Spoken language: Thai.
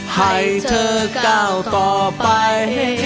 ให้เธอก้าวต่อไป